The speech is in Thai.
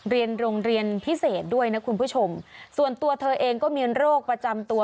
เรียนโรงเรียนพิเศษด้วยนะคุณผู้ชมส่วนตัวเธอเองก็มีโรคประจำตัว